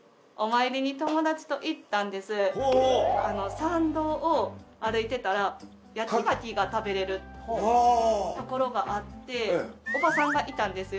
参道を歩いてたら焼き牡蠣が食べれる所があっておばさんがいたんですよ。